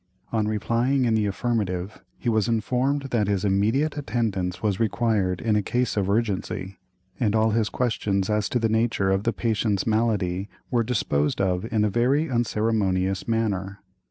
On replying in the affirmative, he was informed that his immediate attendance was required in a case of urgency, and all his questions as to the nature of the patient's malady were disposed of in a very unceremonious manner.